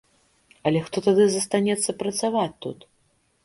Але хто тады застанецца працаваць тут?